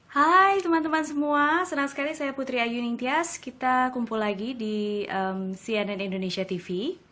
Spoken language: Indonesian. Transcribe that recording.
hai teman teman semua senang sekali saya putri ayu ningtyas kita kumpul lagi di cnn indonesia tv